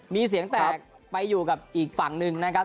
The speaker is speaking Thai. มีเสียงแตกไปอยู่กับอีกฝั่งหนึ่งนะครับ